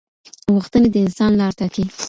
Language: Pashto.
غوښتنې د انسان لار ټاکي.